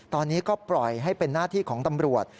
ตอนนี้ก็ปล่อยให้เป็นหน้าที่ของตำรวจ